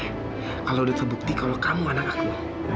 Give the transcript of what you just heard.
kalau udah terbukti kalau kamu anak aku